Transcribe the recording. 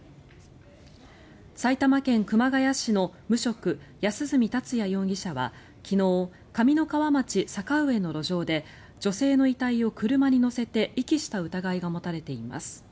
埼玉県熊谷市の無職安栖達也容疑者は昨日上三川町坂上の路上で女性の遺体を車に乗せて遺棄した疑いが持たれています。